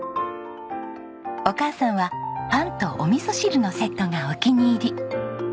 お母さんはパンとおみそ汁のセットがお気に入り。